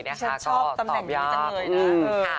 ฉันชอบตำแหน่งนี้จังเลยนะ